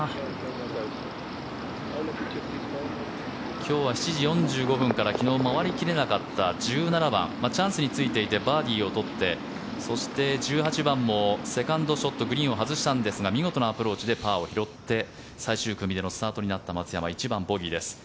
今日は７時４５分から昨日回り切れなかった１７番チャンスについていてバーディーを取ってそして１８番もセカンドショットグリーンを外したんですが見事なアプローチでパーを拾って最終組でのスタートとなった松山１番、ボギーです。